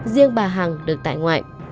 riêng bà hằng được tại ngoại